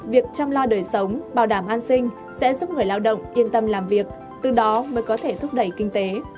việc chăm lo đời sống bảo đảm an sinh sẽ giúp người lao động yên tâm làm việc từ đó mới có thể thúc đẩy kinh tế